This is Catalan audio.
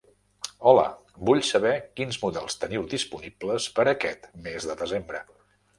Hola, vull saber quins models teniu disponibles per a aquest mes de desembre.